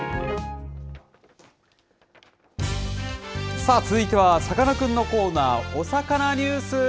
さあ、続いては、さかなクンのコーナー、おさかなニュース。